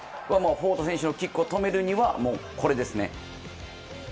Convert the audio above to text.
フォード選手のキックを止めるには、これです。